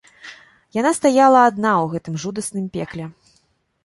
Яна стаяла адна ў гэтым жудасным пекле.